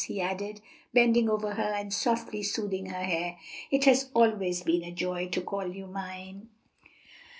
he added, bending over her and softly smoothing her hair. "It has always been a joy to call you mine."